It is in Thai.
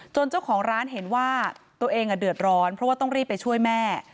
เจ้าของร้านเห็นว่าตัวเองเดือดร้อนเพราะว่าต้องรีบไปช่วยแม่